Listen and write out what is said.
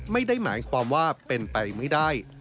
ไม่ได้หมายความว่าเป็นไปไม่ได้